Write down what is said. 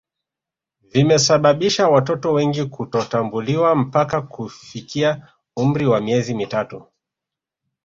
vimesababisha watoto wengi kutotambuliwa mpaka kufikia umri wa miezi mitatu